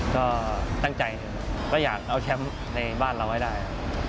ก็ตั้งใจก็อยากเอาแชมป์ในบ้านเราให้ได้